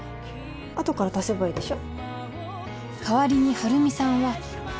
あとから足せばいいでしょ